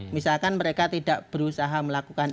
misalkan mereka tidak berusaha melakukan